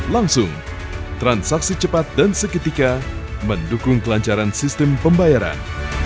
langsung transaksi cepat dan seketika mendukung kelancaran sistem pembayaran